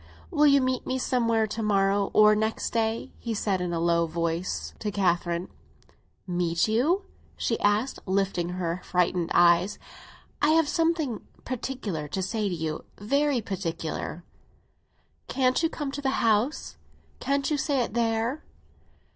"Will you meet me somewhere to morrow or next day?" he said, in a low tone, to Catherine. "Meet you?" she asked, lifting her frightened eyes. "I have something particular to say to you—very particular." "Can't you come to the house? Can't you say it there?"